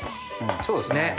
そうですね。